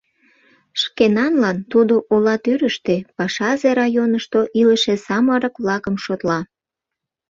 «Шкенанлан» тудо ола тӱрыштӧ, пашазе районышто илыше самырык-влакым шотла.